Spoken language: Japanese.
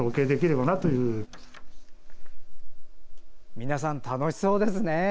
皆さん楽しそうですね。